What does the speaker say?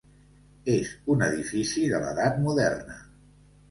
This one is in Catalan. És un edifici de l'edat moderna.